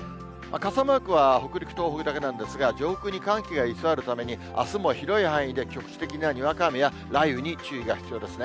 傘マークは北陸、東北だけなんですが、上空に寒気が居座るために、あすも広い範囲で局地的なにわか雨や、雷雨に注意が必要ですね。